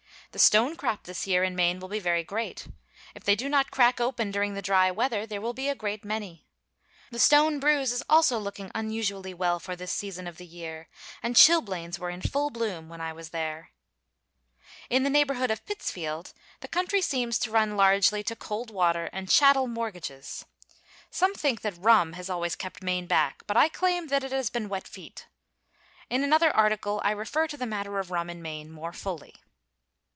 The stone crop this year in Maine will be very great. If they do not crack open during the dry weather, there will be a great many. The stone bruise is also looking unusually well for this season of the year, and chilblains were in full bloom when I was there. In the neighborhood of Pittsfield, the country seems to run largely to cold water and chattel mortgages. Some think that rum has always kept Maine back, but I claim that it has been wet feet. In another article I refer to the matter of rum in Maine more fully.